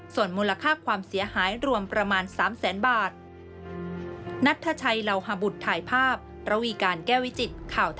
ส่วนมูลค่าความเสียหายรวมประมาณ๓แสนบาท